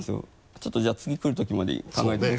ちょっとじゃあ次来るときまでに考えておきます。